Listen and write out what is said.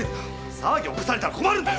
騒ぎを起こされたら困るんだよ。